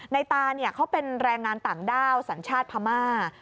ตาเขาเป็นแรงงานต่างด้าวสัญชาติพม่า